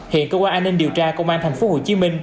hiện cơ quan an ninh điều tra công an tp hcm